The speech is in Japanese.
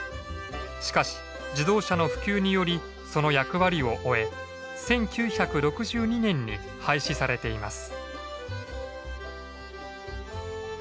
しかし自動車の普及によりその役割を終え１９６２年に廃止されています。